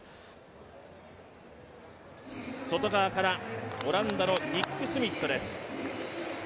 外側から、オランダのニック・スミットです。